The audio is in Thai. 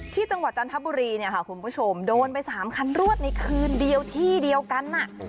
จังหวัดจันทบุรีเนี่ยค่ะคุณผู้ชมโดนไป๓คันรวดในคืนเดียวที่เดียวกัน